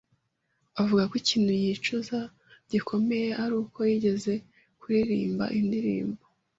avuga ko ikintu yicuza gikomeye aruko yigeze kuririmba indirimbo